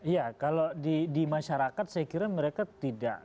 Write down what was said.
ya kalau di masyarakat saya kira mereka tidak